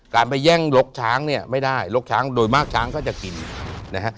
การไปแย่งลกช้างเนี่ยไม่ได้ลกช้างโดยมากช้างก็จะกินนะฮะ